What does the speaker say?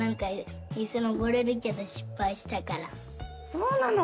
そうなの？